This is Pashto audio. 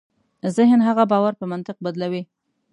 ذهن هغه باور په منطق بدلوي.